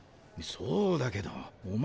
そうだけどお前の脚は。